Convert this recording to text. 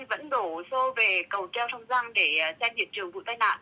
vẫn đổ xô về cầu treo sông răng để trang điện trường vụ tai nạn